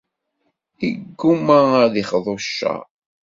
Iggumma ad ixḍu i ccer.